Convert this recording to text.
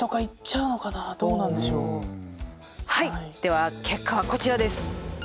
では結果はこちらです。